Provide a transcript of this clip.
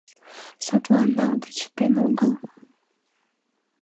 Садлан налде чытен огыл.